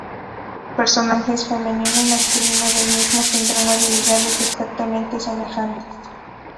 Personajes femenino y masculino del mismo tendrán habilidades exactamente semejantes.